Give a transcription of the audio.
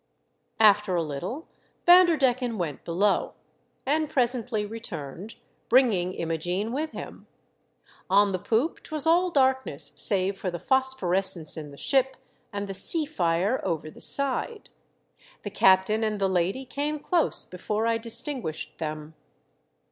After a little Vanderdecken went below, and presently returned bringing Imogene with him. On the poop 'twas all darkness save for the phosphorescence in the ship and the sea fire over the side. The captain and the lady came close before I distinguished them.